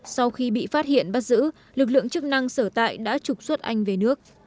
sau khi bị phát hiện bắt giữ lực lượng chức năng sở tại đã trục xuất anh về nước